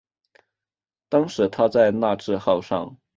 当时他在那智号上。